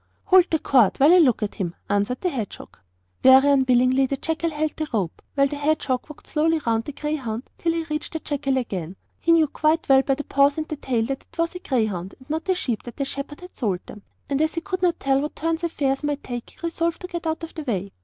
'Hold the cord while I look at him,' answered the hedgehog. Very unwillingly the jackal held the rope, while the hedgehog walked slowly round the greyhound till he reached the jackal again. He knew quite well by the paws and tail that it was a greyhound and not a sheep, that the shepherd had sold them; and as he could not tell what turn affairs might take, he resolved to get out of the way.